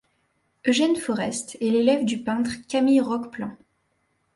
Eugène Forest est l’élève du peintre Camille Roqueplan.